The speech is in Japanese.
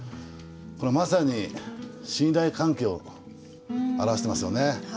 これまさに信頼関係を表してますよね。